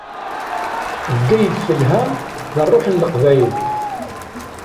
Bgayet telha, d rruḥ n Leqbayel.